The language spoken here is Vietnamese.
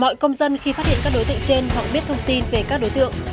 mọi công dân khi phát hiện các đối tượng trên hoặc biết thông tin về các đối tượng